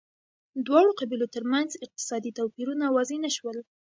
دواړو قبیلو ترمنځ اقتصادي توپیرونه واضح نه شول